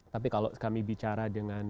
tapi kalau kami bicara dengan